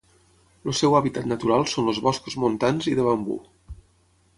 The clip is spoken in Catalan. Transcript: El seu hàbitat natural són els boscos montans i de bambú.